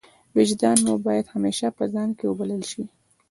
وجدان مو باید همېشه په ځان کښي وبلل سي.